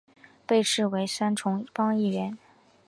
被视为三重帮一员。